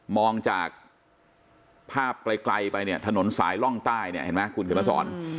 มองจากภาพไกลไปเนี่ยถนนสายร่องใต้เนี่ยเห็นมะคุณภิกษาสร